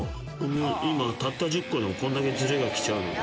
今、たった１０個でもこんだけずれがきちゃうので。